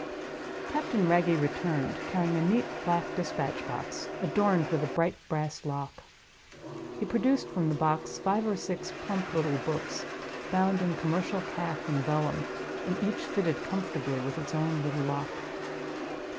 Captain Wragge returned, carrying a neat black dispatch box, adorned with a bright brass lock. He produced from the box five or six plump little books, bound in commercial calf and vellum, and each fitted comfortably with its own little lock.